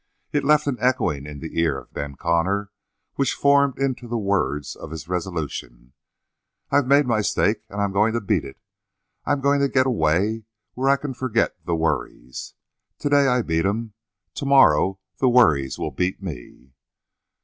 It left an echoing in the ear of Ben Connor which formed into the words of his resolution, "I've made my stake and I'm going to beat it. I'm going to get away where I can forget the worries. To day I beat 'em. Tomorrow the worries will beat me."